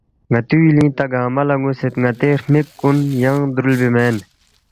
ن٘تی یُولِنگ تا گنگمہ لہ ن٘ونسید ن٘تی ہرمِک کُن ینگ درُولبی مین